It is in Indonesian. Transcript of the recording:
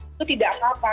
itu tidak apa apa